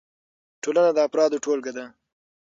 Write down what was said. ټولنه د افرادو ټولګه ده.